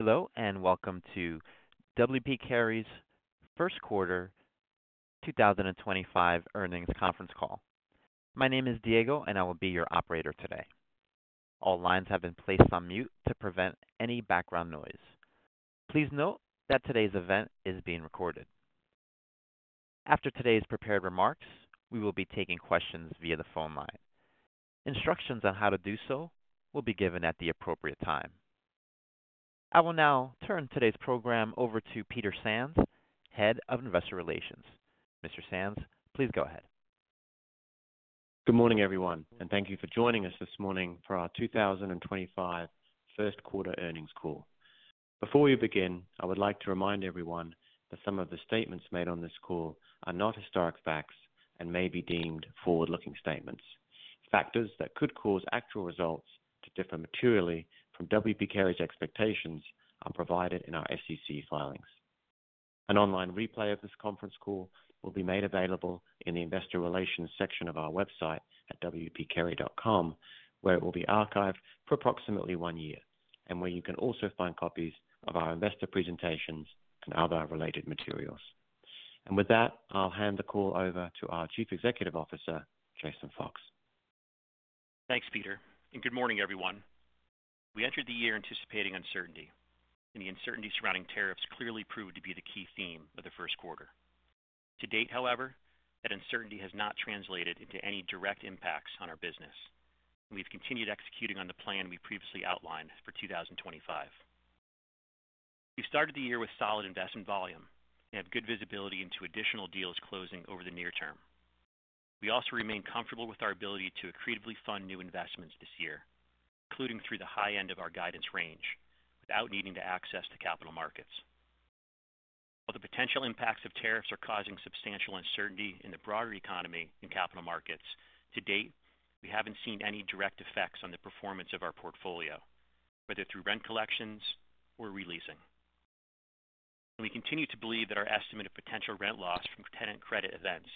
Hello and welcome to W. P. Carey's first quarter 2025 earnings conference call. My name is Diego, and I will be your operator today. All lines have been placed on mute to prevent any background noise. Please note that today's event is being recorded. After today's prepared remarks, we will be taking questions via the phone line. Instructions on how to do so will be given at the appropriate time. I will now turn today's program over to Peter Sands, Head of Investor Relations. Mr. Sands, please go ahead. Good morning, everyone, and thank you for joining us this morning for our 2025 first quarter earnings call. Before we begin, I would like to remind everyone that some of the statements made on this call are not historic facts and may be deemed forward-looking statements. Factors that could cause actual results to differ materially from W. P. Carey's expectations are provided in our SEC filings. An online replay of this conference call will be made available in the Investor Relations section of our website at wpcarey.com, where it will be archived for approximately one year, and where you can also find copies of our investor presentations and other related materials. With that, I'll hand the call over to our Chief Executive Officer, Jason Fox. Thanks, Peter, and good morning, everyone. We entered the year anticipating uncertainty, and the uncertainty surrounding tariffs clearly proved to be the key theme of the first quarter. To date, however, that uncertainty has not translated into any direct impacts on our business, and we've continued executing on the plan we previously outlined for 2025. We started the year with solid investment volume and have good visibility into additional deals closing over the near term. We also remain comfortable with our ability to accretively fund new investments this year, including through the high end of our guidance range, without needing to access the capital markets. While the potential impacts of tariffs are causing substantial uncertainty in the broader economy and capital markets, to date, we haven't seen any direct effects on the performance of our portfolio, whether through rent collections or re-leasing. We continue to believe that our estimate of potential rent loss from tenant credit events,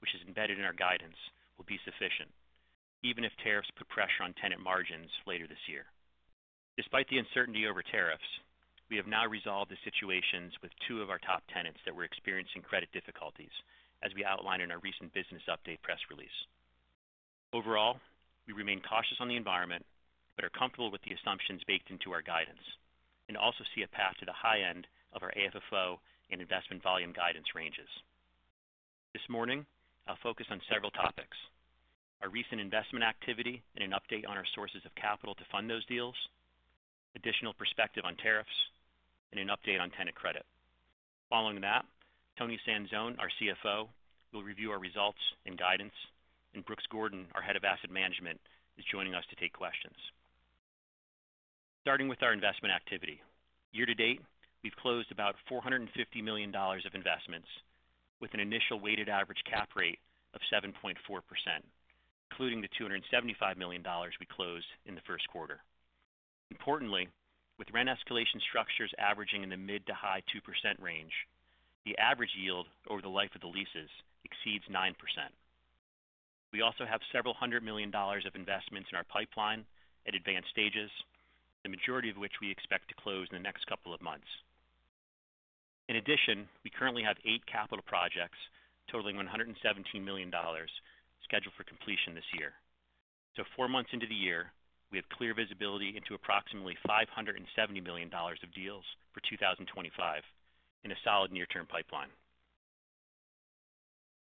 which is embedded in our guidance, will be sufficient, even if tariffs put pressure on tenant margins later this year. Despite the uncertainty over tariffs, we have now resolved the situations with two of our top tenants that were experiencing credit difficulties, as we outlined in our recent business update press release. Overall, we remain cautious on the environment but are comfortable with the assumptions baked into our guidance and also see a path to the high end of our AFFO and investment volume guidance ranges. This morning, I'll focus on several topics: our recent investment activity and an update on our sources of capital to fund those deals, additional perspective on tariffs, and an update on tenant credit. Following that, Toni Sanzone, our CFO, will review our results and guidance, and Brooks Gordon, our Head of Asset Management, is joining us to take questions. Starting with our investment activity, year to date, we've closed about $450 million of investments with an initial weighted average cap rate of 7.4%, including the $275 million we closed in the first quarter. Importantly, with rent escalation structures averaging in the mid to high 2% range, the average yield over the life of the leases exceeds 9%. We also have several hundred million dollars of investments in our pipeline at advanced stages, the majority of which we expect to close in the next couple of months. In addition, we currently have eight capital projects totaling $117 million scheduled for completion this year. Four months into the year, we have clear visibility into approximately $570 million of deals for 2025 in a solid near-term pipeline.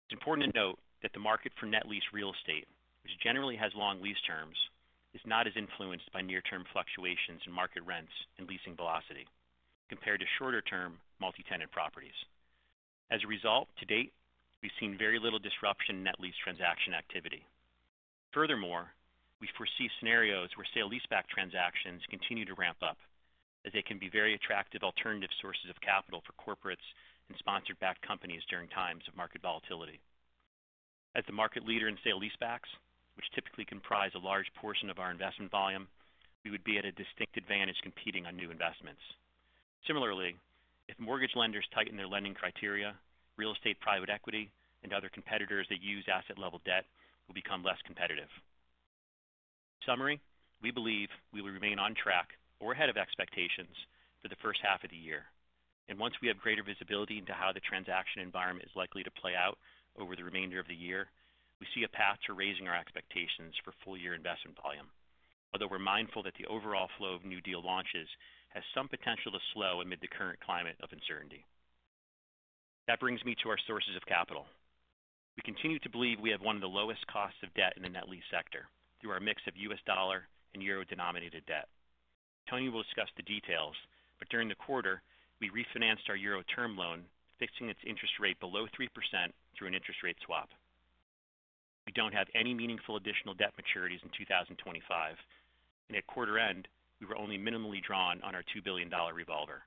It's important to note that the market for net lease real estate, which generally has long lease terms, is not as influenced by near-term fluctuations in market rents and leasing velocity compared to shorter-term multi-tenant properties. As a result, to date, we've seen very little disruption in net lease transaction activity. Furthermore, we foresee scenarios where sale-leaseback transactions continue to ramp up, as they can be very attractive alternative sources of capital for corporates and sponsor-backed companies during times of market volatility. As the market leader in sale-leasebacks, which typically comprise a large portion of our investment volume, we would be at a distinct advantage competing on new investments. Similarly, if mortgage lenders tighten their lending criteria, real estate private equity and other competitors that use asset-level debt will become less competitive. In summary, we believe we will remain on track or ahead of expectations for the first half of the year. Once we have greater visibility into how the transaction environment is likely to play out over the remainder of the year, we see a path to raising our expectations for full-year investment volume, although we're mindful that the overall flow of new deal launches has some potential to slow amid the current climate of uncertainty. That brings me to our sources of capital. We continue to believe we have one of the lowest costs of debt in the net lease sector through our mix of U.S. dollar and euro-denominated debt. Toni will discuss the details, but during the quarter, we refinanced our euro-term loan, fixing its interest rate below 3% through an interest rate swap. We do not have any meaningful additional debt maturities in 2025, and at quarter end, we were only minimally drawn on our $2 billion revolver.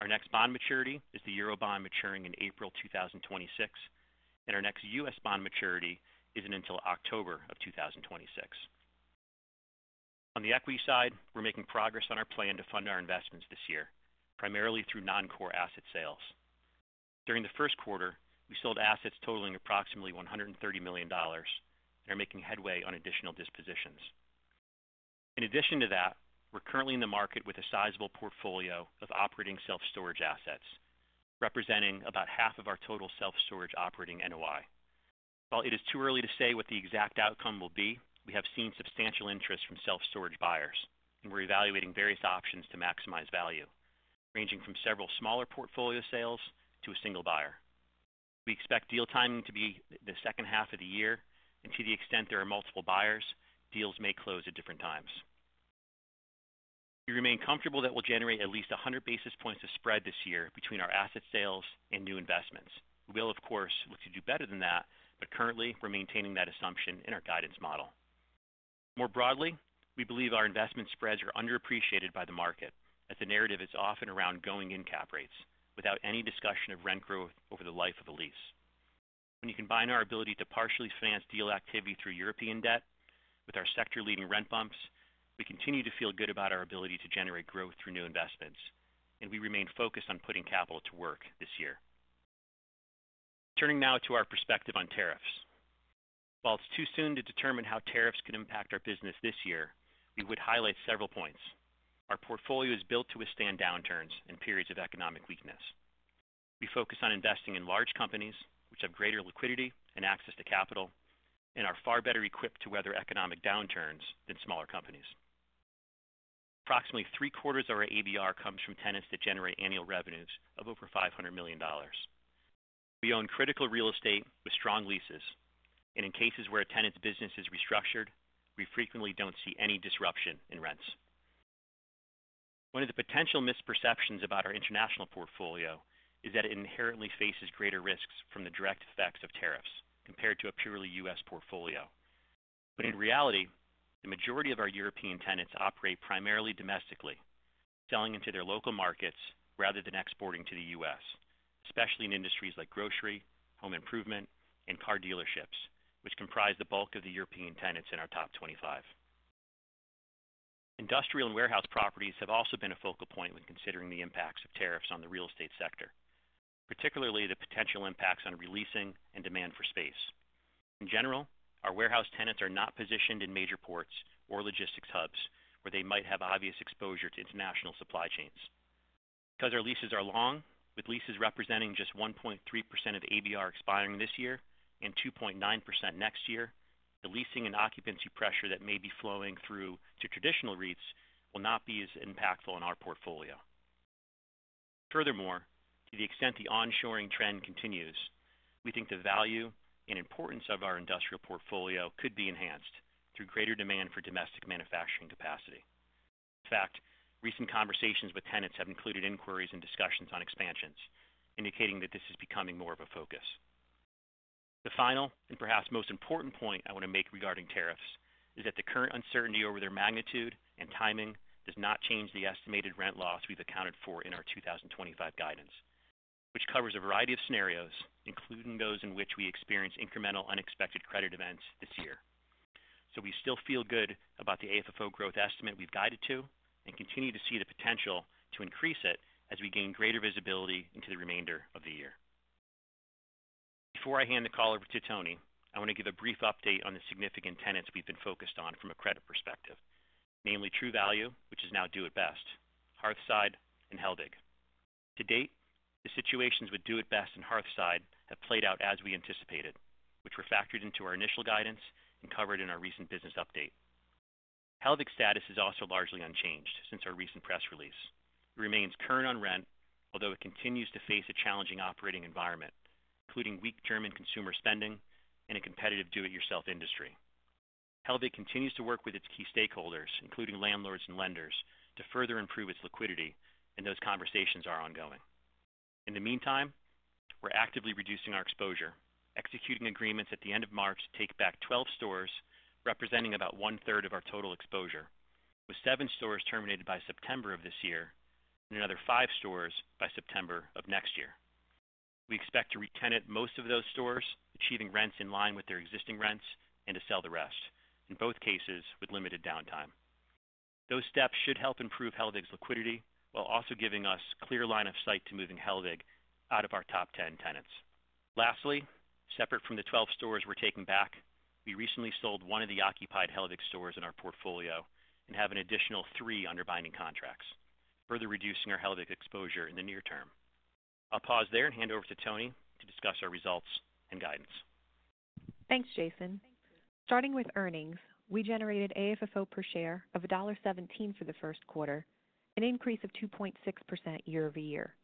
Our next bond maturity is the euro bond maturing in April 2026, and our next U.S. bond maturity is not until October of 2026. On the equity side, we are making progress on our plan to fund our investments this year, primarily through non-core asset sales. During the first quarter, we sold assets totaling approximately $130 million and are making headway on additional dispositions. In addition to that, we are currently in the market with a sizable portfolio of operating self-storage assets, representing about half of our total self-storage operating NOI. While it is too early to say what the exact outcome will be, we have seen substantial interest from self-storage buyers, and we're evaluating various options to maximize value, ranging from several smaller portfolio sales to a single buyer. We expect deal timing to be the second half of the year, and to the extent there are multiple buyers, deals may close at different times. We remain comfortable that we'll generate at least 100 basis points of spread this year between our asset sales and new investments. We will, of course, look to do better than that, but currently, we're maintaining that assumption in our guidance model. More broadly, we believe our investment spreads are underappreciated by the market, as the narrative is often around going in cap rates without any discussion of rent growth over the life of a lease. When you combine our ability to partially finance deal activity through European debt with our sector-leading rent bumps, we continue to feel good about our ability to generate growth through new investments, and we remain focused on putting capital to work this year. Turning now to our perspective on tariffs. While it is too soon to determine how tariffs can impact our business this year, we would highlight several points. Our portfolio is built to withstand downturns and periods of economic weakness. We focus on investing in large companies, which have greater liquidity and access to capital, and are far better equipped to weather economic downturns than smaller companies. Approximately three-quarters of our ABR comes from tenants that generate annual revenues of over $500 million. We own critical real estate with strong leases, and in cases where a tenant's business is restructured, we frequently do not see any disruption in rents. One of the potential misperceptions about our international portfolio is that it inherently faces greater risks from the direct effects of tariffs compared to a purely U.S. portfolio. In reality, the majority of our European tenants operate primarily domestically, selling into their local markets rather than exporting to the U.S., especially in industries like grocery, home improvement, and car dealerships, which comprise the bulk of the European tenants in our top 25. Industrial and warehouse properties have also been a focal point when considering the impacts of tariffs on the real estate sector, particularly the potential impacts on re-leasing and demand for space. In general, our warehouse tenants are not positioned in major ports or logistics hubs where they might have obvious exposure to international supply chains. Because our leases are long, with leases representing just 1.3% of ABR expiring this year and 2.9% next year, the leasing and occupancy pressure that may be flowing through to traditional REITs will not be as impactful on our portfolio. Furthermore, to the extent the onshoring trend continues, we think the value and importance of our industrial portfolio could be enhanced through greater demand for domestic manufacturing capacity. In fact, recent conversations with tenants have included inquiries and discussions on expansions, indicating that this is becoming more of a focus. The final and perhaps most important point I want to make regarding tariffs is that the current uncertainty over their magnitude and timing does not change the estimated rent loss we've accounted for in our 2025 guidance, which covers a variety of scenarios, including those in which we experience incremental unexpected credit events this year. We still feel good about the AFFO growth estimate we've guided to and continue to see the potential to increase it as we gain greater visibility into the remainder of the year. Before I hand the call over to Toni, I want to give a brief update on the significant tenants we've been focused on from a credit perspective, namely True Value, which is now Do it Best, Hearthside, and Hellweg. To date, the situations with Do it Best and Hearthside have played out as we anticipated, which were factored into our initial guidance and covered in our recent business update. Hellweg's status is also largely unchanged since our recent press release. It remains current on rent, although it continues to face a challenging operating environment, including weak German consumer spending and a competitive do-it-yourself industry. Hellweg continues to work with its key stakeholders, including landlords and lenders, to further improve its liquidity, and those conversations are ongoing. In the meantime, we're actively reducing our exposure, executing agreements at the end of March to take back 12 stores, representing about one-third of our total exposure, with seven stores terminated by September of this year and another five stores by September of next year. We expect to re-tenant most of those stores, achieving rents in line with their existing rents, and to sell the rest, in both cases with limited downtime. Those steps should help improve Hellweg's liquidity while also giving us a clear line of sight to moving Hellweg out of our top 10 tenants. Lastly, separate from the 12 stores we're taking back, we recently sold one of the occupied Hellweg stores in our portfolio and have an additional three under binding contracts, further reducing our Hellweg exposure in the near term. I'll pause there and hand over to Toni to discuss our results and guidance. Thanks, Jason. Starting with earnings, we generated AFFO per share of $1.17 for the first quarter, an increase of 2.6% year over year.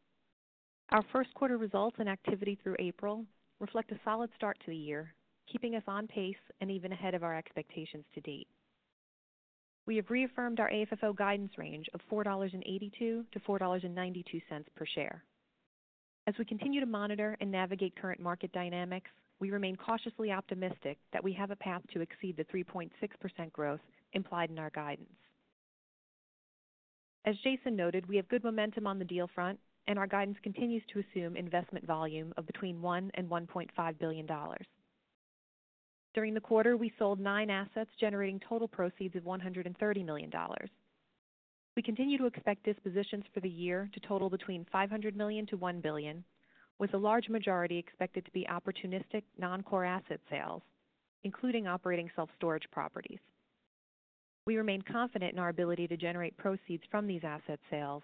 Our first quarter results and activity through April reflect a solid start to the year, keeping us on pace and even ahead of our expectations to date. We have reaffirmed our AFFO guidance range of $4.82-$4.92 per share. As we continue to monitor and navigate current market dynamics, we remain cautiously optimistic that we have a path to exceed the 3.6% growth implied in our guidance. As Jason noted, we have good momentum on the deal front, and our guidance continues to assume investment volume of between $1 billion and $1.5 billion. During the quarter, we sold nine assets, generating total proceeds of $130 million. We continue to expect dispositions for the year to total between $500 million-$1 billion, with a large majority expected to be opportunistic non-core asset sales, including operating self-storage properties. We remain confident in our ability to generate proceeds from these asset sales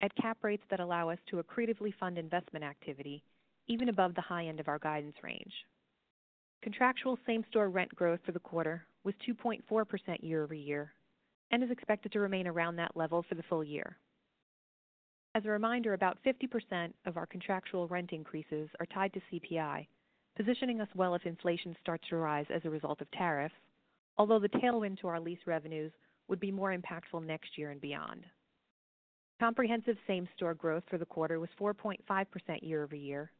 at cap rates that allow us to accretively fund investment activity even above the high end of our guidance range. Contractual same-store rent growth for the quarter was 2.4% year over year and is expected to remain around that level for the full year. As a reminder, about 50% of our contractual rent increases are tied to CPI, positioning us well if inflation starts to rise as a result of tariffs, although the tailwind to our lease revenues would be more impactful next year and beyond. Comprehensive same-store growth for the quarter was 4.5% year over year,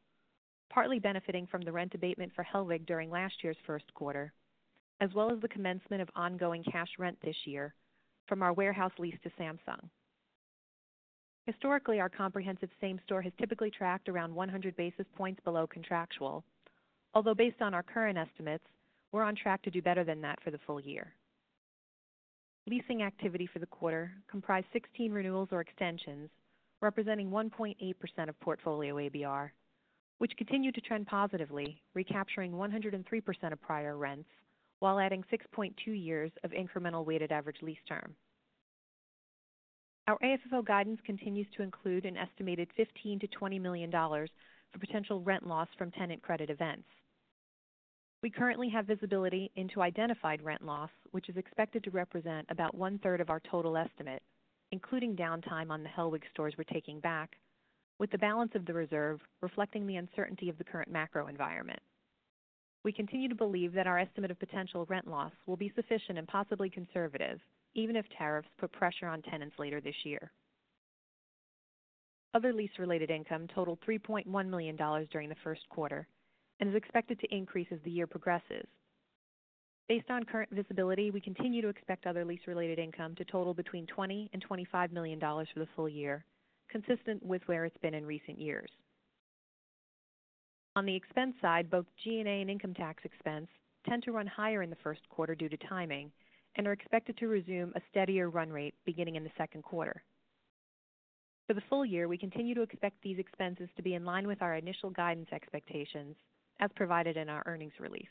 partly benefiting from the rent abatement for Hellweg during last year's first quarter, as well as the commencement of ongoing cash rent this year from our warehouse lease to Samsung. Historically, our comprehensive same-store has typically tracked around 100 basis points below contractual, although based on our current estimates, we're on track to do better than that for the full year. Leasing activity for the quarter comprised 16 renewals or extensions, representing 1.8% of portfolio ABR, which continued to trend positively, recapturing 103% of prior rents while adding 6.2 years of incremental weighted average lease term. Our AFFO guidance continues to include an estimated $15-$20 million for potential rent loss from tenant credit events. We currently have visibility into identified rent loss, which is expected to represent about one-third of our total estimate, including downtime on the Hellweg stores we're taking back, with the balance of the reserve reflecting the uncertainty of the current macro environment. We continue to believe that our estimate of potential rent loss will be sufficient and possibly conservative, even if tariffs put pressure on tenants later this year. Other lease-related income totaled $3.1 million during the first quarter and is expected to increase as the year progresses. Based on current visibility, we continue to expect other lease-related income to total between $20 million and $25 million for the full year, consistent with where it's been in recent years. On the expense side, both G&A and income tax expense tend to run higher in the first quarter due to timing and are expected to resume a steadier run rate beginning in the second quarter. For the full year, we continue to expect these expenses to be in line with our initial guidance expectations as provided in our earnings release.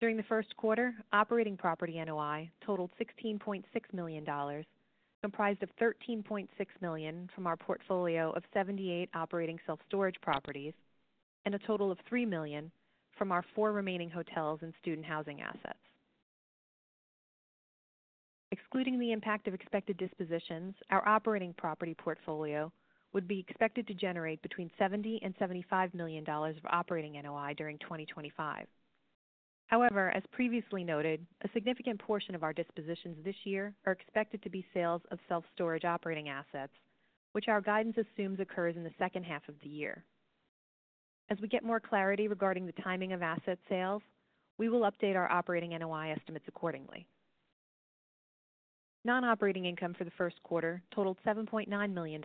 During the first quarter, operating property NOI totaled $16.6 million, comprised of $13.6 million from our portfolio of 78 operating self-storage properties and a total of $3 million from our four remaining hotels and student housing assets. Excluding the impact of expected dispositions, our operating property portfolio would be expected to generate between $70 million and $75 million of operating NOI during 2025. However, as previously noted, a significant portion of our dispositions this year are expected to be sales of self-storage operating assets, which our guidance assumes occurs in the second half of the year. As we get more clarity regarding the timing of asset sales, we will update our operating NOI estimates accordingly. Non-operating income for the first quarter totaled $7.9 million,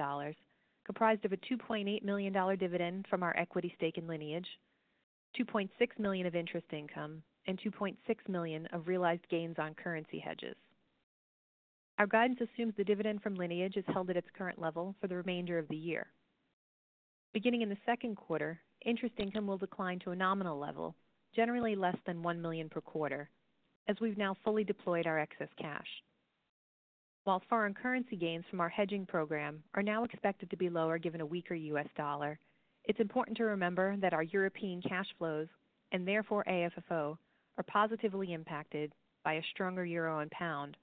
comprised of a $2.8 million dividend from our equity stake in Lineage, $2.6 million of interest income, and $2.6 million of realized gains on currency hedges. Our guidance assumes the dividend from Lineage is held at its current level for the remainder of the year. Beginning in the second quarter, interest income will decline to a nominal level, generally less than $1 million per quarter, as we've now fully deployed our excess cash. While foreign currency gains from our hedging program are now expected to be lower given a weaker U.S. dollar, it's important to remember that our European cash flows, and therefore AFFO, are positively impacted by a stronger euro and pound,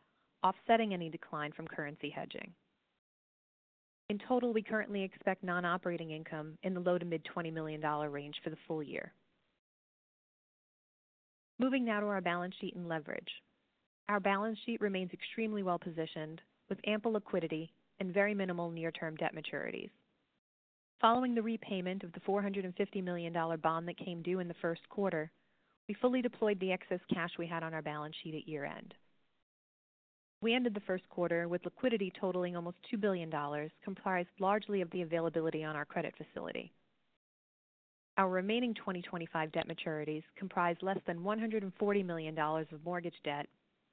offsetting any decline from currency hedging. In total, we currently expect non-operating income in the low to mid-$20 million range for the full year. Moving now to our balance sheet and leverage. Our balance sheet remains extremely well-positioned, with ample liquidity and very minimal near-term debt maturities. Following the repayment of the $450 million bond that came due in the first quarter, we fully deployed the excess cash we had on our balance sheet at year-end. We ended the first quarter with liquidity totaling almost $2 billion, comprised largely of the availability on our credit facility. Our remaining 2025 debt maturities comprise less than $140 million of mortgage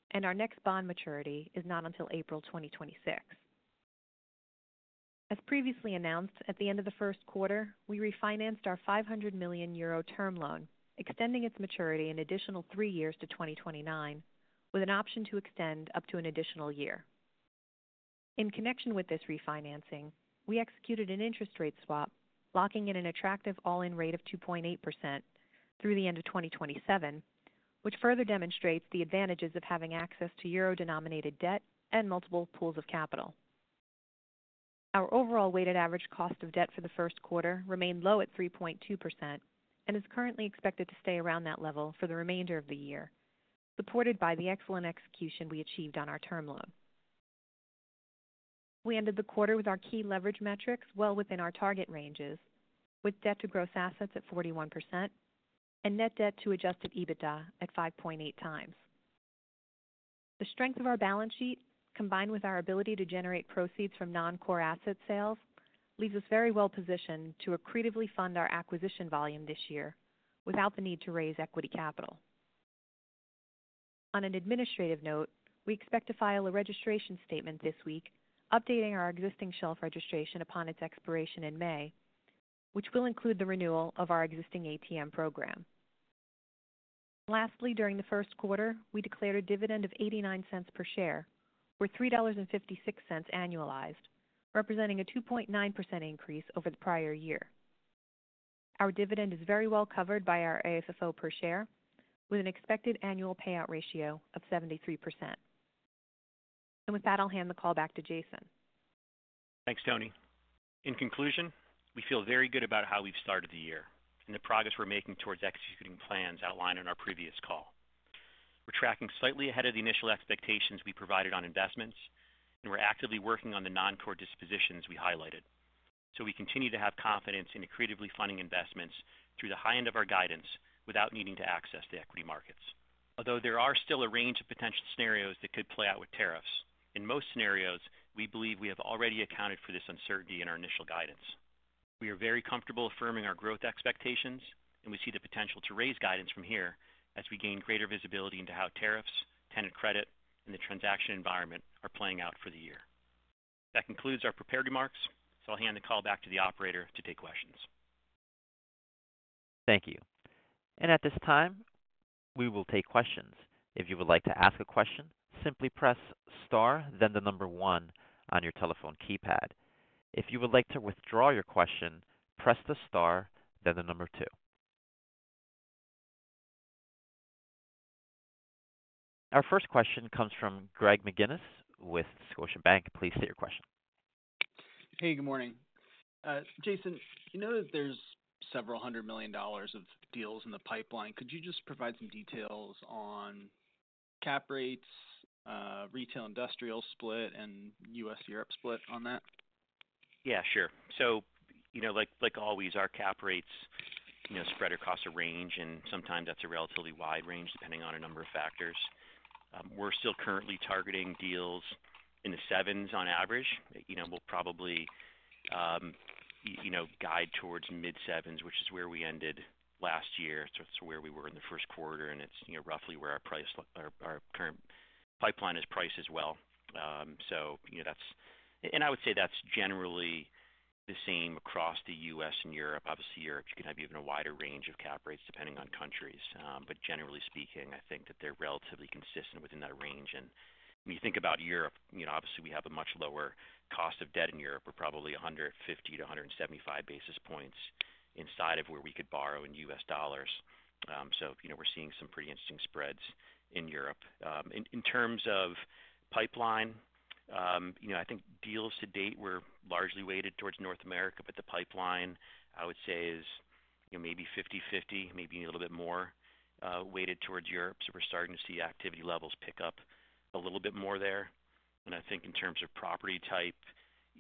debt, and our next bond maturity is not until April 2026. As previously announced, at the end of the first quarter, we refinanced our 500 million euro term loan, extending its maturity an additional three years to 2029, with an option to extend up to an additional year. In connection with this refinancing, we executed an interest rate swap, locking in an attractive all-in rate of 2.8% through the end of 2027, which further demonstrates the advantages of having access to euro-denominated debt and multiple pools of capital. Our overall weighted average cost of debt for the first quarter remained low at 3.2% and is currently expected to stay around that level for the remainder of the year, supported by the excellent execution we achieved on our term loan. We ended the quarter with our key leverage metrics well within our target ranges, with debt to gross assets at 41% and net debt to adjusted EBITDA at 5.8 times. The strength of our balance sheet, combined with our ability to generate proceeds from non-core asset sales, leaves us very well-positioned to accretively fund our acquisition volume this year without the need to raise equity capital. On an administrative note, we expect to file a registration statement this week, updating our existing shelf registration upon its expiration in May, which will include the renewal of our existing ATM program. Lastly, during the first quarter, we declared a dividend of $0.89 per share, or $3.56 annualized, representing a 2.9% increase over the prior year. Our dividend is very well covered by our AFFO per share, with an expected annual payout ratio of 73%. With that, I'll hand the call back to Jason. Thanks, Toni. In conclusion, we feel very good about how we've started the year and the progress we're making towards executing plans outlined in our previous call. We're tracking slightly ahead of the initial expectations we provided on investments, and we're actively working on the non-core dispositions we highlighted. We continue to have confidence in accretively funding investments through the high end of our guidance without needing to access the equity markets. Although there are still a range of potential scenarios that could play out with tariffs, in most scenarios, we believe we have already accounted for this uncertainty in our initial guidance. We are very comfortable affirming our growth expectations, and we see the potential to raise guidance from here as we gain greater visibility into how tariffs, tenant credit, and the transaction environment are playing out for the year. That concludes our prepared remarks, so I'll hand the call back to the operator to take questions. Thank you. At this time, we will take questions. If you would like to ask a question, simply press Star, then the number 1 on your telephone keypad. If you would like to withdraw your question, press the Star, then the number 2. Our first question comes from Greg McGinniss with Scotiabank. Please state your question. Hey, good morning. Jason, you know that there's several hundred million dollars of deals in the pipeline. Could you just provide some details on cap rates, retail industrial split, and U.S.-Europe split on that? Yeah, sure. You know, like always, our cap rates spread across a range, and sometimes that's a relatively wide range depending on a number of factors. We're still currently targeting deals in the sevens on average. We'll probably guide towards mid-sevens, which is where we ended last year. That's where we were in the first quarter, and it's roughly where our current pipeline is priced as well. You know, that's—and I would say that's generally the same across the U.S. and Europe. Obviously, Europe, you can have even a wider range of cap rates depending on countries. Generally speaking, I think that they're relatively consistent within that range. When you think about Europe, you know, obviously, we have a much lower cost of debt in Europe. We're probably 150-175 basis points inside of where we could borrow in U.S. dollars. You know, we're seeing some pretty interesting spreads in Europe. In terms of pipeline, you know, I think deals to date were largely weighted towards North America, but the pipeline, I would say, is maybe 50/50, maybe a little bit more weighted towards Europe. We're starting to see activity levels pick up a little bit more there. I think in terms of property type,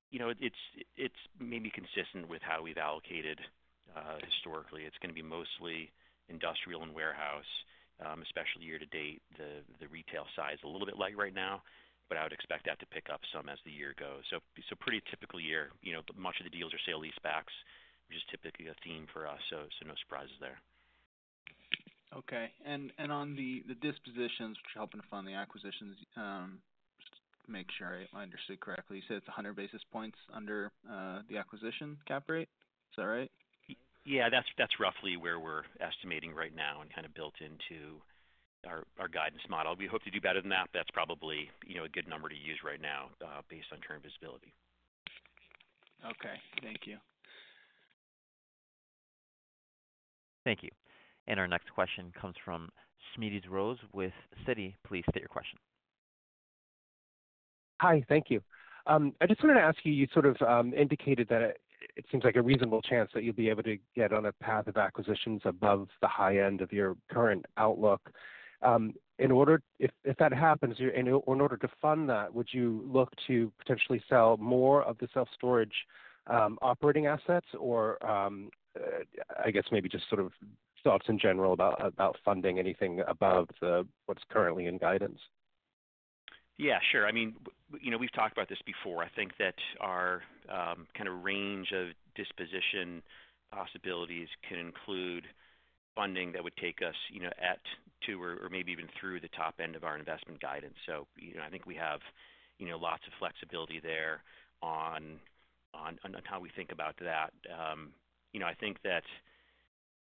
you know, it's maybe consistent with how we've allocated historically. It's going to be mostly industrial and warehouse, especially year to date. The retail side is a little bit light right now, but I would expect that to pick up some as the year goes. Pretty typical year. Much of the deals are sale-leasebacks, which is typically a theme for us, so no surprises there. Okay. On the dispositions, which are helping to fund the acquisitions, just to make sure I understood correctly, you said it is 100 basis points under the acquisition cap rate? Is that right? Yeah, that's roughly where we're estimating right now and kind of built into our guidance model. We hope to do better than that. That's probably a good number to use right now based on current visibility. Okay. Thank you. Thank you. Our next question comes from Smedes Rose with Citi. Please state your question. Hi, thank you. I just wanted to ask you, you sort of indicated that it seems like a reasonable chance that you'll be able to get on a path of acquisitions above the high end of your current outlook. If that happens, in order to fund that, would you look to potentially sell more of the self-storage operating assets? Or I guess maybe just sort of thoughts in general about funding anything above what's currently in guidance? Yeah, sure. I mean, we've talked about this before. I think that our kind of range of disposition possibilities can include funding that would take us at to or maybe even through the top end of our investment guidance. You know, I think we have lots of flexibility there on how we think about that. You know, I think that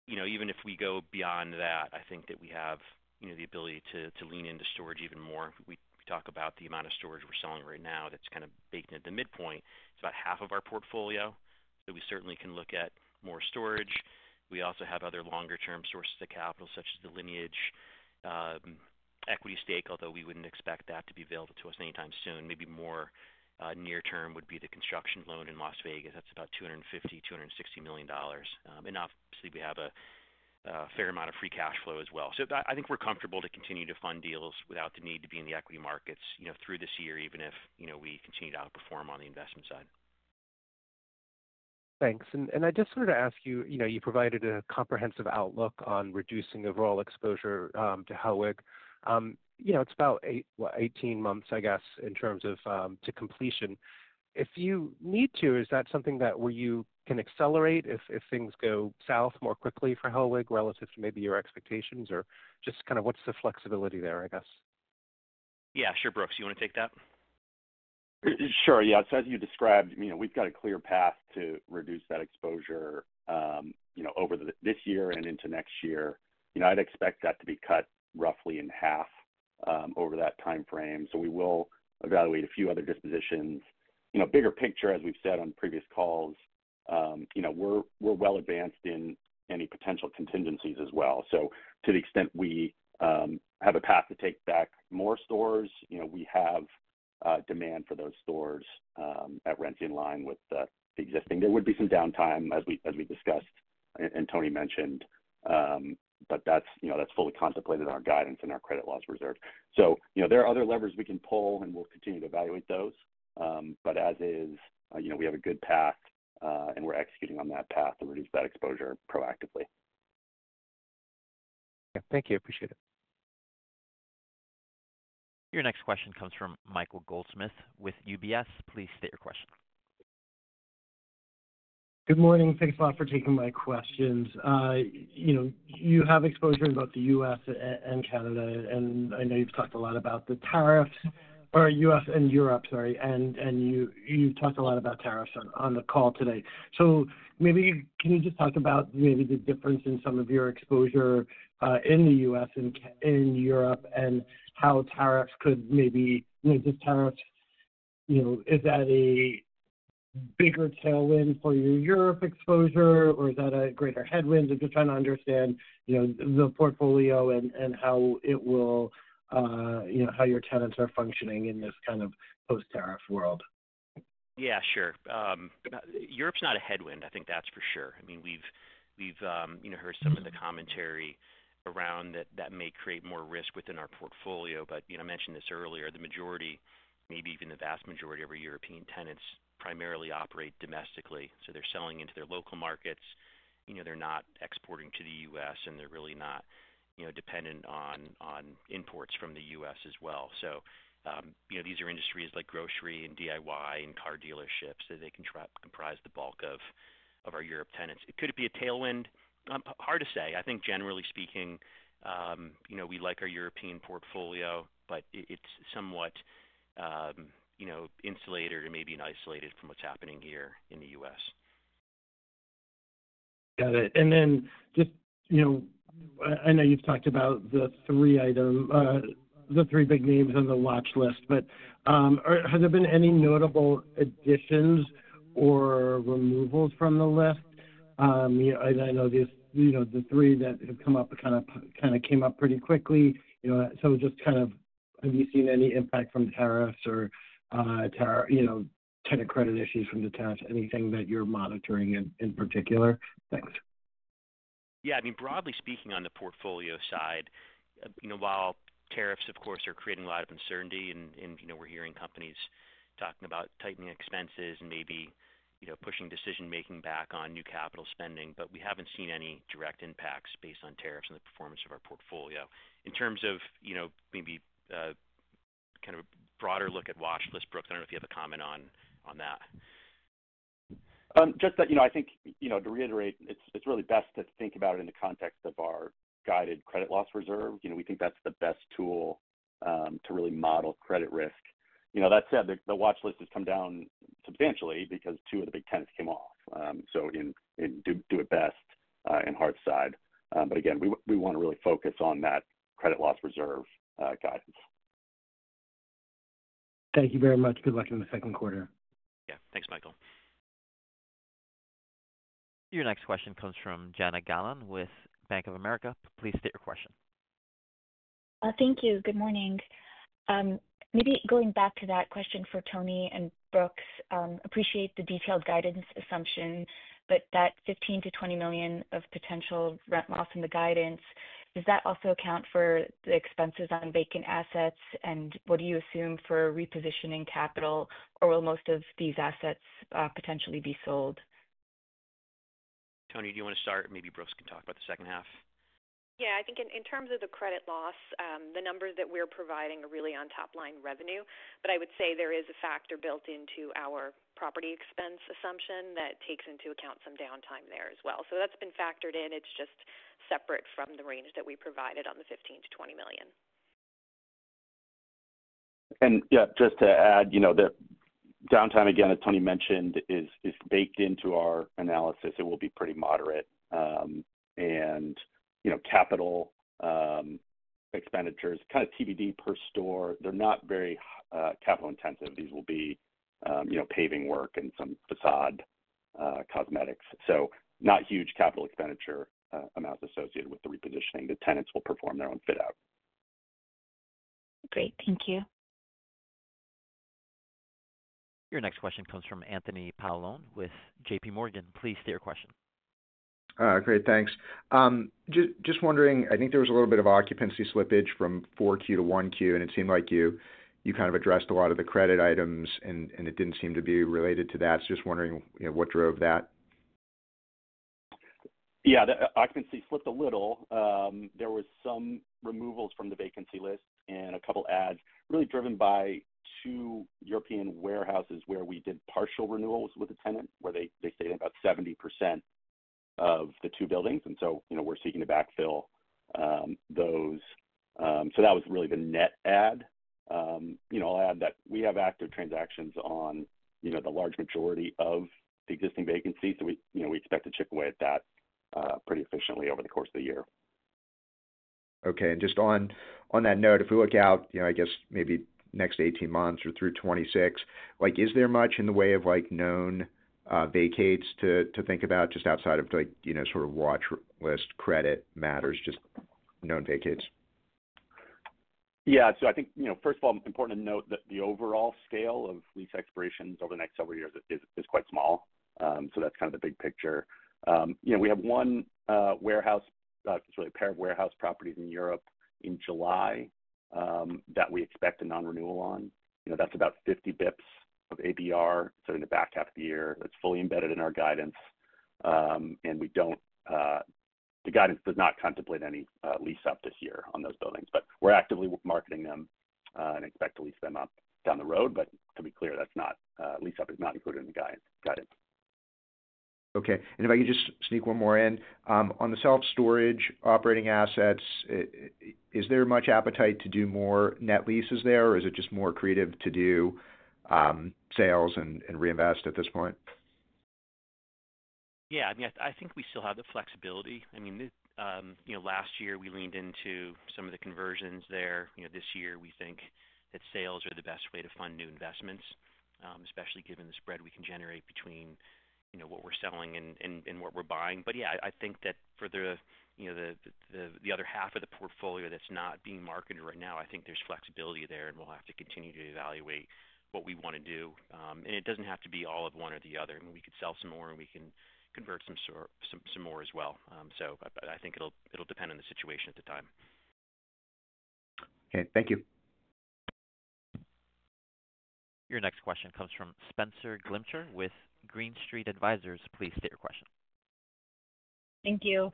even if we go beyond that, I think that we have the ability to lean into storage even more. We talk about the amount of storage we're selling right now that's kind of baked into the midpoint. It's about half of our portfolio, so we certainly can look at more storage. We also have other longer-term sources of capital, such as the Lineage equity stake, although we wouldn't expect that to be available to us anytime soon. Maybe more near-term would be the construction loan in Las Vegas. That's about $250 million-$260 million. Obviously, we have a fair amount of free cash flow as well. I think we're comfortable to continue to fund deals without the need to be in the equity markets through this year, even if we continue to outperform on the investment side. Thanks. I just wanted to ask you, you provided a comprehensive outlook on reducing overall exposure to Hellweg. It's about 18 months, I guess, in terms of to completion. If you need to, is that something that you can accelerate if things go south more quickly for Hellweg relative to maybe your expectations? Or just kind of what's the flexibility there, I guess? Yeah, sure, Brooks. You want to take that? Sure. Yeah. As you described, we've got a clear path to reduce that exposure over this year and into next year. I'd expect that to be cut roughly in half over that time frame. We will evaluate a few other dispositions. Bigger picture, as we've said on previous calls, we're well advanced in any potential contingencies as well. To the extent we have a path to take back more stores, we have demand for those stores at rent in line with the existing. There would be some downtime, as we discussed and Toni mentioned, but that's fully contemplated in our guidance and our credit loss reserve. There are other levers we can pull, and we'll continue to evaluate those. As is, we have a good path, and we're executing on that path to reduce that exposure proactively. Okay. Thank you. Appreciate it. Your next question comes from Michael Goldsmith with UBS. Please state your question. Good morning. Thanks a lot for taking my questions. You have exposure in both the U.S. and Canada, and I know you've talked a lot about the tariffs or U.S. and Europe, sorry, and you've talked a lot about tariffs on the call today. Maybe can you just talk about maybe the difference in some of your exposure in the U.S. and in Europe and how tariffs could maybe just tariffs, is that a bigger tailwind for your Europe exposure, or is that a greater headwind? I'm just trying to understand the portfolio and how it will, how your tenants are functioning in this kind of post-tariff world. Yeah, sure. Europe's not a headwind, I think that's for sure. I mean, we've heard some of the commentary around that may create more risk within our portfolio. I mentioned this earlier, the majority, maybe even the vast majority of our European tenants primarily operate domestically. They're selling into their local markets. They're not exporting to the U.S., and they're really not dependent on imports from the U.S. as well. These are industries like grocery and DIY and car dealerships that comprise the bulk of our Europe tenants. Could it be a tailwind? Hard to say. I think, generally speaking, we like our European portfolio, but it's somewhat insulated or maybe isolated from what's happening here in the U.S. Got it. I know you've talked about the three big names on the watch list, but has there been any notable additions or removals from the list? I know the three that have come up kind of came up pretty quickly. Just kind of have you seen any impact from tariffs or tenant credit issues from the tariffs, anything that you're monitoring in particular? Thanks. Yeah. I mean, broadly speaking, on the portfolio side, while tariffs, of course, are creating a lot of uncertainty, and we're hearing companies talking about tightening expenses and maybe pushing decision-making back on new capital spending, we haven't seen any direct impacts based on tariffs on the performance of our portfolio. In terms of maybe kind of a broader look at watch list, Brooks, I don't know if you have a comment on that. Just that I think, to reiterate, it's really best to think about it in the context of our guided credit loss reserve. We think that's the best tool to really model credit risk. That said, the watch list has come down substantially because two of the big tenants came off. So in Do it Best and Hearthside. But again, we want to really focus on that credit loss reserve guidance. Thank you very much. Good luck in the second quarter. Yeah. Thanks, Michael. Your next question comes from Joshua Dennerlein with Bank of America. Please state your question. Thank you. Good morning. Maybe going back to that question for Toni and Brooks, appreciate the detailed guidance assumption, but that $15 million-$20 million of potential rent loss in the guidance, does that also account for the expenses on vacant assets? And what do you assume for repositioning capital, or will most of these assets potentially be sold? Toni, do you want to start? Maybe Brooks can talk about the second half. Yeah. I think in terms of the credit loss, the numbers that we're providing are really on top-line revenue. I would say there is a factor built into our property expense assumption that takes into account some downtime there as well. That's been factored in. It's just separate from the range that we provided on the $15 million-$20 million. Yeah, just to add, the downtime, again, as Toni mentioned, is baked into our analysis. It will be pretty moderate. And capital expenditures, kind of TBD per store, they're not very capital-intensive. These will be paving work and some facade cosmetics. So not huge capital expenditure amounts associated with the repositioning. The tenants will perform their own fit-out. Great. Thank you. Your next question comes from Anthony Paolone with JPMorgan. Please state your question. Great. Thanks. Just wondering, I think there was a little bit of occupancy slippage from 4Q to 1Q, and it seemed like you kind of addressed a lot of the credit items, and it did not seem to be related to that. Just wondering what drove that. Yeah. The occupancy slipped a little. There were some removals from the vacancy list and a couple of adds, really driven by two European warehouses where we did partial renewals with the tenant, where they stayed in about 70% of the two buildings. We are seeking to backfill those. That was really the net add. I'll add that we have active transactions on the large majority of the existing vacancies, so we expect to chip away at that pretty efficiently over the course of the year. Okay. Just on that note, if we look out, I guess, maybe next 18 months or through 2026, is there much in the way of known vacates to think about just outside of sort of watch list credit matters, just known vacates? Yeah. I think, first of all, important to note that the overall scale of lease expirations over the next several years is quite small. That is kind of the big picture. We have one warehouse, actually a pair of warehouse properties in Europe in July that we expect a non-renewal on. That is about 50 basis points of ABR, so in the back half of the year. That is fully embedded in our guidance. The guidance does not contemplate any lease-up this year on those buildings. We are actively marketing them and expect to lease them up down the road. To be clear, lease-up is not included in the guidance. Okay. If I could just sneak one more in. On the self-storage operating assets, is there much appetite to do more net leases there, or is it just more creative to do sales and reinvest at this point? Yeah. I mean, I think we still have the flexibility. I mean, last year, we leaned into some of the conversions there. This year, we think that sales are the best way to fund new investments, especially given the spread we can generate between what we're selling and what we're buying. Yeah, I think that for the other half of the portfolio that's not being marketed right now, I think there's flexibility there, and we'll have to continue to evaluate what we want to do. It doesn't have to be all of one or the other. I mean, we could sell some more, and we can convert some more as well. I think it'll depend on the situation at the time. Okay. Thank you. Your next question comes from Spenser Glimcher with Green Street Advisors. Please state your question. Thank you.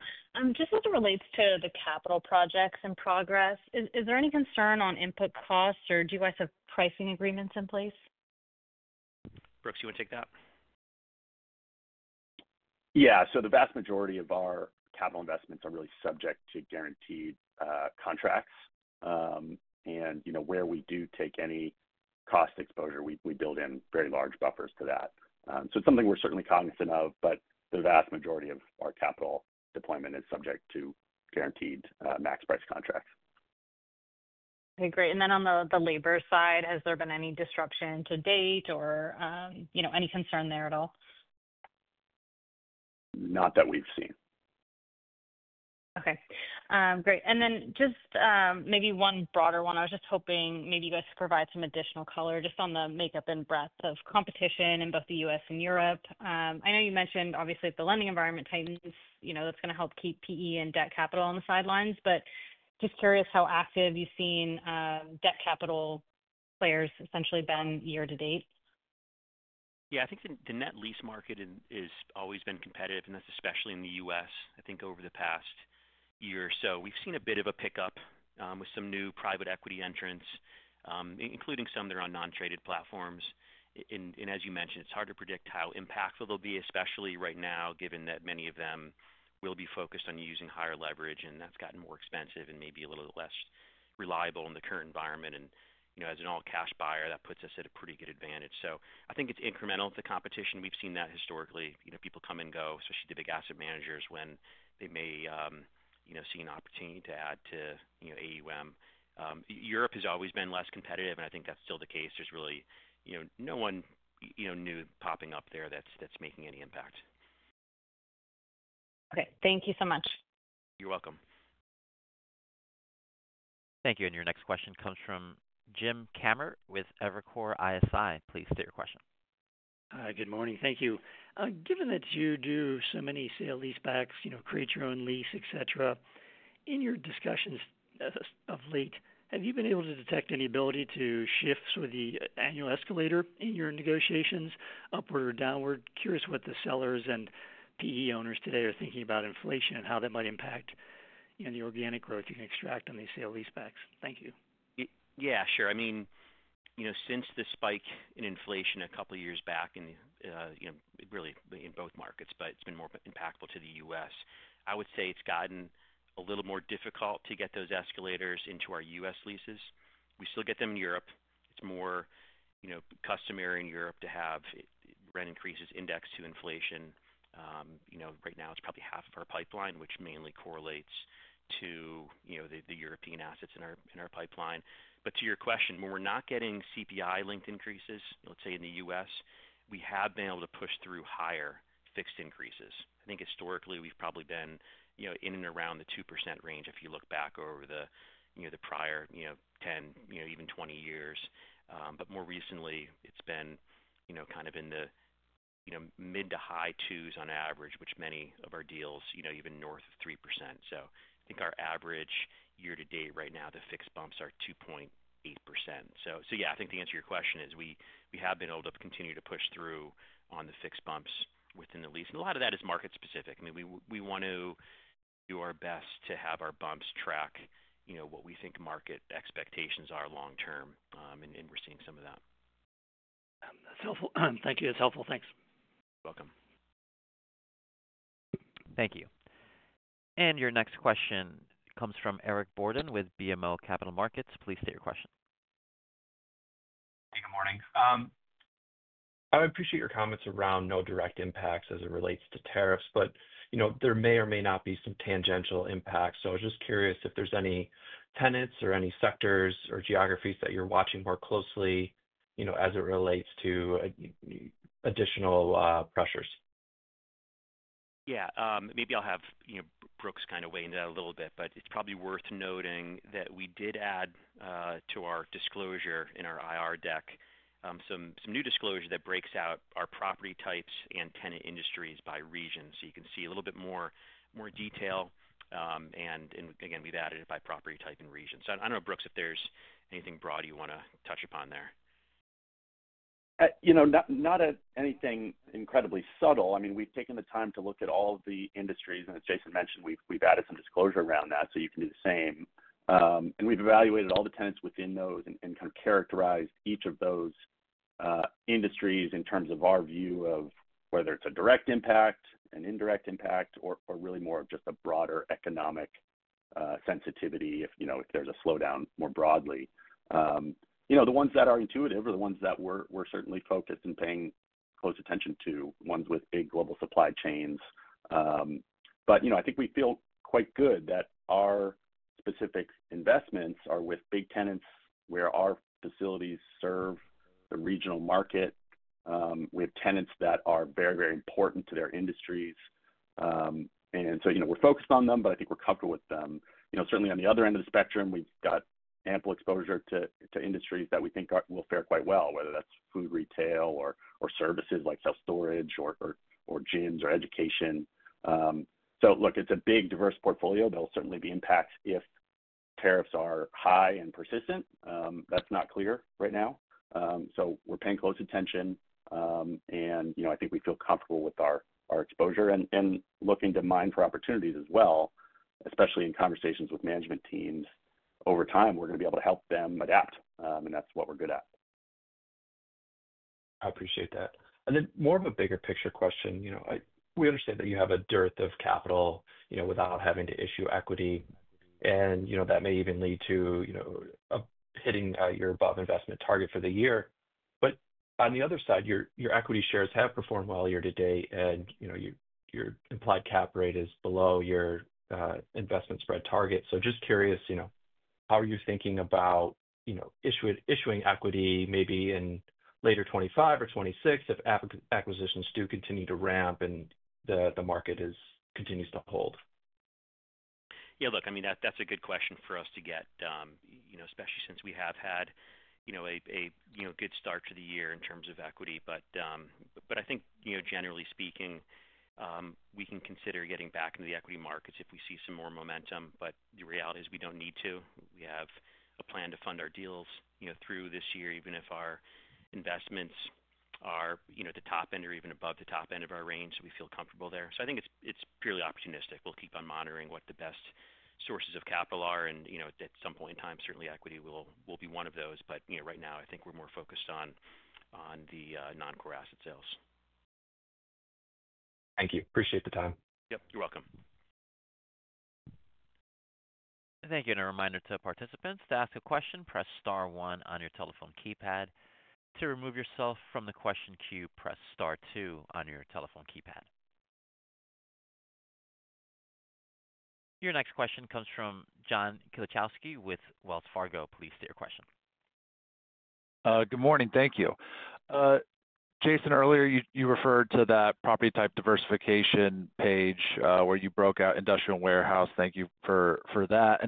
Just as it relates to the capital projects in progress, is there any concern on input costs, or do you guys have pricing agreements in place? Brooks, you want to take that? Yeah. The vast majority of our capital investments are really subject to guaranteed contracts. Where we do take any cost exposure, we build in very large buffers to that. It is something we are certainly cognizant of, but the vast majority of our capital deployment is subject to guaranteed max price contracts. Okay. Great. On the labor side, has there been any disruption to date or any concern there at all? Not that we've seen. Okay. Great. Just maybe one broader one. I was just hoping maybe you guys could provide some additional color just on the makeup and breadth of competition in both the U.S. and Europe. I know you mentioned, obviously, the lending environment tightens. That's going to help keep PE and debt capital on the sidelines. Just curious how active you've seen debt capital players essentially been year to date. Yeah. I think the net lease market has always been competitive, and that's especially in the U.S., I think, over the past year or so. We've seen a bit of a pickup with some new private equity entrants, including some that are on non-traded platforms. As you mentioned, it's hard to predict how impactful they'll be, especially right now, given that many of them will be focused on using higher leverage, and that's gotten more expensive and maybe a little less reliable in the current environment. As an all-cash buyer, that puts us at a pretty good advantage. I think it's incremental to competition. We've seen that historically. People come and go, especially the big asset managers, when they may see an opportunity to add to AUM. Europe has always been less competitive, and I think that's still the case. There's really no one new popping up there that's making any impact. Okay. Thank you so much. You're welcome. Thank you. Your next question comes from James Kammert with Evercore ISI. Please state your question. Hi. Good morning. Thank you. Given that you do so many sale lease-backs, create-your-own-lease, etc., in your discussions of late, have you been able to detect any ability to shift sort of the annual escalator in your negotiations, upward or downward? Curious what the sellers and PE owners today are thinking about inflation and how that might impact the organic growth you can extract on these sale lease-backs. Thank you. Yeah. Sure. I mean, since the spike in inflation a couple of years back, and really in both markets, but it's been more impactful to the U.S., I would say it's gotten a little more difficult to get those escalators into our U.S. leases. We still get them in Europe. It's more customary in Europe to have rent increases indexed to inflation. Right now, it's probably half of our pipeline, which mainly correlates to the European assets in our pipeline. To your question, when we're not getting CPI-linked increases, let's say in the U.S., we have been able to push through higher fixed increases. I think historically, we've probably been in and around the 2% range if you look back over the prior 10, even 20 years. More recently, it's been kind of in the mid to high 2s on average, with many of our deals even north of 3%. I think our average year-to-date right now, the fixed bumps are 2.8%. Yeah, I think to answer your question, we have been able to continue to push through on the fixed bumps within the lease. A lot of that is market-specific. I mean, we want to do our best to have our bumps track what we think market expectations are long-term, and we're seeing some of that. Thank you. That's helpful. Thanks. You're welcome. Thank you. Your next question comes from Eric Borden with BMO Capital Markets. Please state your question. Hey. Good morning. I appreciate your comments around no direct impacts as it relates to tariffs, but there may or may not be some tangential impacts. I was just curious if there's any tenants or any sectors or geographies that you're watching more closely as it relates to additional pressures. Yeah. Maybe I'll have Brooks kind of weigh in a little bit, but it's probably worth noting that we did add to our disclosure in our IR deck some new disclosure that breaks out our property types and tenant industries by region. You can see a little bit more detail. Again, we've added it by property type and region. I don't know, Brooks, if there's anything broad you want to touch upon there. Not anything incredibly subtle. I mean, we've taken the time to look at all of the industries. As Jason mentioned, we've added some disclosure around that so you can do the same. We've evaluated all the tenants within those and kind of characterized each of those industries in terms of our view of whether it's a direct impact, an indirect impact, or really more of just a broader economic sensitivity if there's a slowdown more broadly. The ones that are intuitive are the ones that we're certainly focused and paying close attention to, ones with big global supply chains. I think we feel quite good that our specific investments are with big tenants where our facilities serve the regional market. We have tenants that are very, very important to their industries. We're focused on them, but I think we're comfortable with them. Certainly, on the other end of the spectrum, we've got ample exposure to industries that we think will fare quite well, whether that's food retail or services like self-storage or gyms or education. It is a big, diverse portfolio that will certainly be impacted if tariffs are high and persistent. That's not clear right now. We are paying close attention, and I think we feel comfortable with our exposure and looking to mine for opportunities as well, especially in conversations with management teams. Over time, we are going to be able to help them adapt, and that's what we're good at. I appreciate that. More of a bigger picture question. We understand that you have a dearth of capital without having to issue equity, and that may even lead to hitting your above-investment target for the year. On the other side, your equity shares have performed well year-to-date, and your implied cap rate is below your investment spread target. Just curious, how are you thinking about issuing equity maybe in later 2025 or 2026 if acquisitions do continue to ramp and the market continues to hold? Yeah. Look, I mean, that's a good question for us to get, especially since we have had a good start to the year in terms of equity. I think, generally speaking, we can consider getting back into the equity markets if we see some more momentum. The reality is we do not need to. We have a plan to fund our deals through this year, even if our investments are at the top end or even above the top end of our range, so we feel comfortable there. I think it is purely opportunistic. We will keep on monitoring what the best sources of capital are. At some point in time, certainly, equity will be one of those. Right now, I think we are more focused on the non-core asset sales. Thank you. Appreciate the time. Yep. You're welcome. Thank you. A reminder to participants to ask a question, press Star 1 on your telephone keypad. To remove yourself from the question queue, press Star 2 on your telephone keypad. Your next question comes from John Kilichowski with Wells Fargo. Please state your question. Good morning. Thank you. Jason, earlier, you referred to that property type diversification page where you broke out industrial and warehouse. Thank you for that.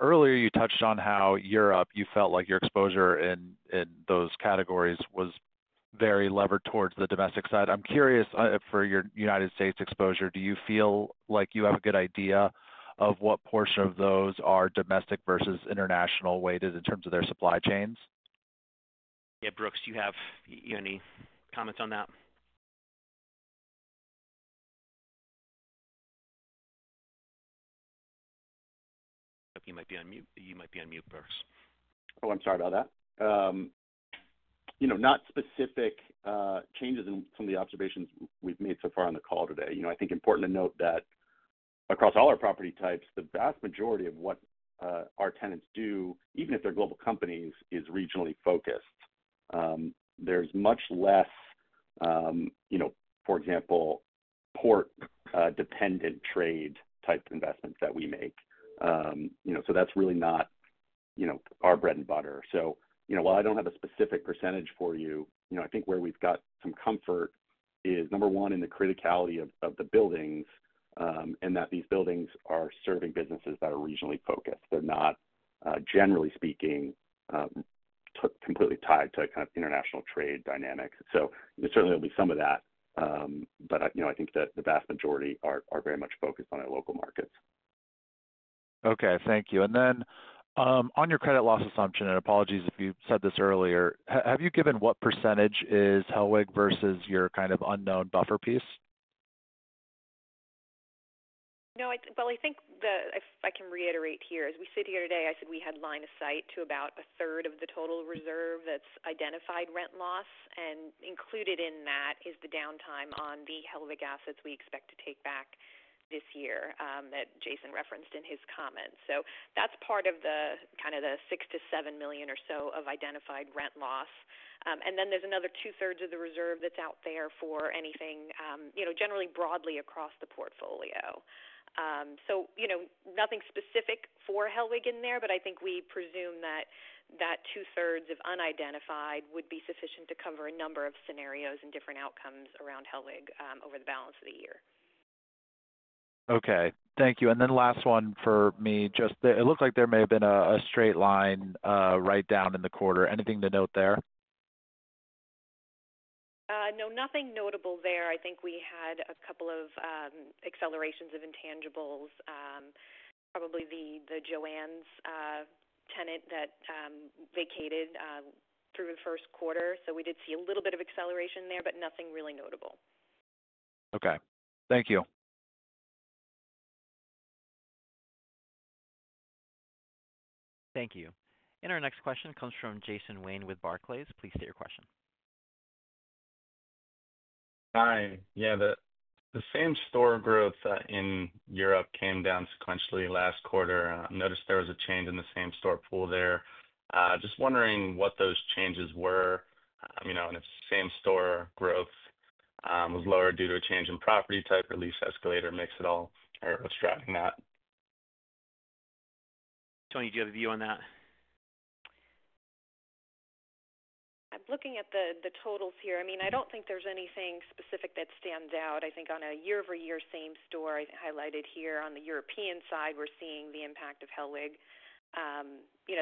Earlier, you touched on how Europe, you felt like your exposure in those categories was very levered towards the domestic side. I'm curious, for your United States exposure, do you feel like you have a good idea of what portion of those are domestic versus international weighted in terms of their supply chains? Yeah. Brooks, do you have any comments on that? You might be on mute. You might be on mute, Brooks. Oh, I'm sorry about that. Not specific changes in some of the observations we've made so far on the call today. I think important to note that across all our property types, the vast majority of what our tenants do, even if they're global companies, is regionally focused. There's much less, for example, port-dependent trade type investments that we make. That's really not our bread and butter. While I don't have a specific percentage for you, I think where we've got some comfort is, number one, in the criticality of the buildings and that these buildings are serving businesses that are regionally focused. They're not, generally speaking, completely tied to kind of international trade dynamics. Certainly, there'll be some of that. I think that the vast majority are very much focused on our local markets. Okay. Thank you. On your credit loss assumption, and apologies if you said this earlier, have you given what percentage is Hellweg versus your kind of unknown buffer piece? No. I think if I can reiterate here, as we sit here today, I said we had line of sight to about a third of the total reserve that's identified rent loss. Included in that is the downtime on the Hellweg assets we expect to take back this year that Jason referenced in his comments. That's part of the kind of the $6 million-$7 million or so of identified rent loss. There is another two-thirds of the reserve that's out there for anything generally broadly across the portfolio. Nothing specific for Hellweg in there, but I think we presume that that two-thirds of unidentified would be sufficient to cover a number of scenarios and different outcomes around Hellweg over the balance of the year. Okay. Thank you. Last one for me. It looks like there may have been a straight-line right down in the quarter. Anything to note there? No. Nothing notable there. I think we had a couple of accelerations of intangibles, probably the JOANN tenant that vacated through the first quarter. We did see a little bit of acceleration there, but nothing really notable. Okay. Thank you. Thank you. Our next question comes from Anthony Powell with Barclays. Please state your question. Hi. Yeah. The same store growth in Europe came down sequentially last quarter. I noticed there was a change in the same store pool there. Just wondering what those changes were and if same store growth was lower due to a change in property type or lease escalator mix at all or what's driving that. Toni, do you have a view on that? I'm looking at the totals here. I mean, I don't think there's anything specific that stands out. I think on a year-over-year same store, I highlighted here, on the European side, we're seeing the impact of Hellweg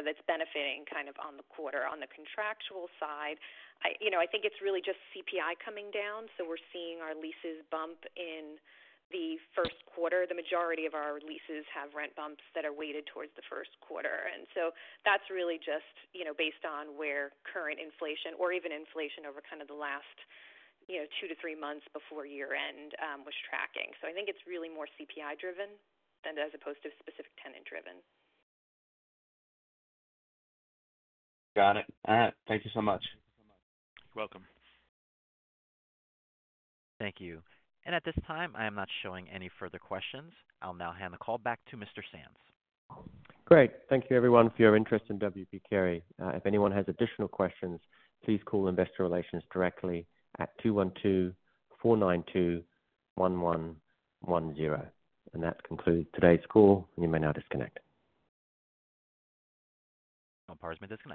that's benefiting kind of on the quarter. On the contractual side, I think it's really just CPI coming down. We're seeing our leases bump in the first quarter. The majority of our leases have rent bumps that are weighted towards the first quarter. That's really just based on where current inflation or even inflation over the last two to three months before year-end was tracking. I think it's really more CPI-driven as opposed to specific tenant-driven. Got it. Thank you so much. You're welcome. Thank you. At this time, I am not showing any further questions. I'll now hand the call back to Mr. Sands. Great. Thank you, everyone, for your interest in W. P. Carey. If anyone has additional questions, please call Investor Relations directly at 212-492-1110. That concludes today's call, and you may now disconnect. Pardon me. Disconnect.